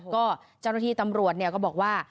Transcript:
ก็เจ้าหน้าที่ตำรวจก็บอกว่า